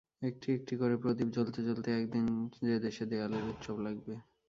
একটি একটি করে প্রদীপ জ্বলতে জ্বলতে একদিন যে দেশে দেয়ালির উৎসব লাগবে।